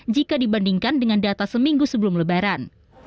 jika dibandingkan dengan data seminggu sebelum lebaran